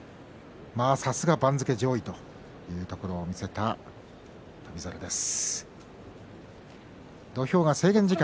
さすが番付上位というところを見せた翔猿です。